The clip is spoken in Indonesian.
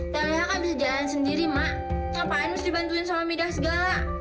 teteh aku bisa jalan sendiri mak ngapain bisa dibantuin sama mida segala